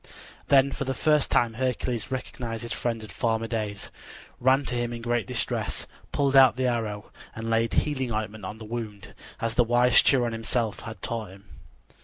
Then for the first time Hercules recognized his friend of former days, ran to him in great distress, pulled out the arrow, and laid healing ointment on the wound, as the wise Chiron himself had taught him.